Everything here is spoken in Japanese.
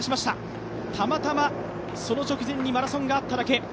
たまたまその直前にマラソンがあっただけ。